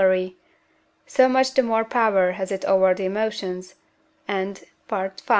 so much the more power has it over the emotions, and (V.